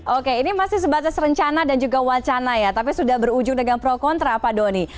oke ini masih sebatas rencana dan juga wacana ya tapi sudah berujung dengan pro kontra pak doni